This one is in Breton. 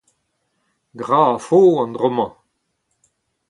Gra a-fo an dro-mañ.